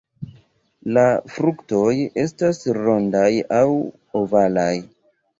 La fruktoj estas rondaj aŭ ovalaj.